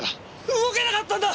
動けなかったんだよ！